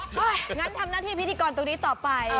งั้นทำหน้าที่พิธีกรตรงนี้ต่อไป